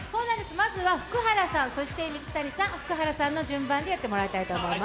まずは福原さん、水谷さん、福原さんの順でやっていただきたいと思います。